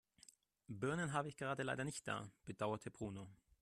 Birnen habe ich leider gerade nicht da, bedauerte Bruno.